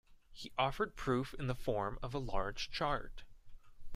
He offered proof in the form of a large chart.